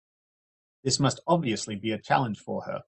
This must obviously be a challenge for her.